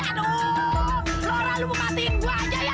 aduh lo orang lo mau matiin gue aja ya